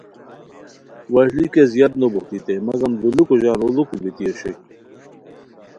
وشلی کیہ زیاد نو بوہتوئیتائے مگم دولوکو ژان اڑوکو بیتی اوشوئے